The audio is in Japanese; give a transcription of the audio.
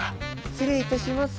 失礼いたします。